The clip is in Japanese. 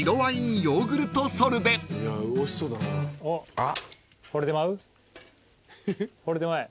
あっ。